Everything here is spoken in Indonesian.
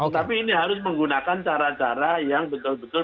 tapi ini harus menggunakan cara cara yang betul betul